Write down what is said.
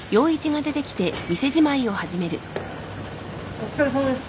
お疲れさまです。